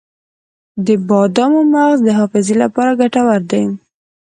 د بادامو مغز د حافظې لپاره ګټور دی.